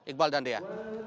iqbal dan dea